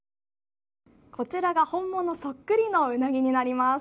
こちらが本物そっくりのうなぎになります。